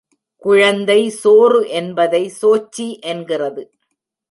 குழந்தை சோறு என்பதை, சோச்சி என்கிறது.